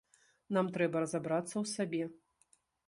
Нам трэба разабрацца ў сабе.